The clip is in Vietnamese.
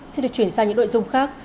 xin được chuyển sang những nội dung khác